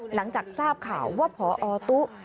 หลังจากทราบข่าวว่าพอตุ๊